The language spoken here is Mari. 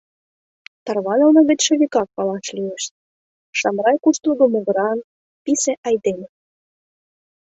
Тарванылме гычше вигак палаш лиеш: Шамрай куштылго могыран, писе айдеме.